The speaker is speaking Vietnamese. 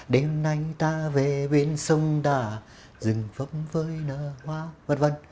đêm nay ta về bên sông đà rừng vấp vơi nở hoa vân vân